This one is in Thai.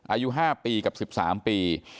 อายุ๕ปีกับ๑๓ปี